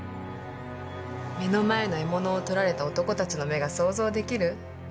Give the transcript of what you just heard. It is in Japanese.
目の前の獲物を取られた男たちの目が想像出来る？